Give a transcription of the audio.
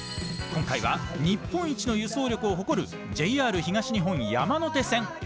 今回は日本一の輸送力を誇るＪＲ東日本・山手線。